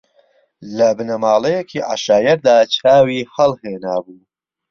لە بنەماڵەیەکی عەشایەردا چاوی ھەڵھێنابوو